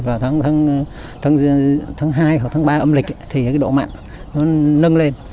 vào tháng hai hoặc tháng ba âm lịch thì cái độ mạng nó nâng lên